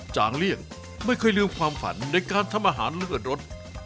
จางเลี่ยงไม่เคยลืมความฝันในการทำอาหารเลือดรส